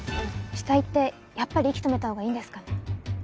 死体ってやっぱり息止めたほうがいいんですかね？